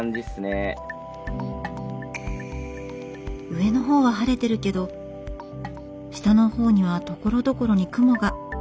上の方は晴れてるけど下の方にはところどころに雲が。